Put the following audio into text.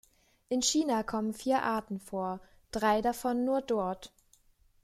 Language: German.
In China kommen vier Arten vor, drei davon nur dort.